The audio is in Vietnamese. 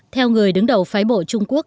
theo người đứng đầu phái bộ trung quốc